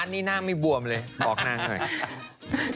๓๕๐๐๐นี่นางไม่บวมเลยบอกนางหน่อย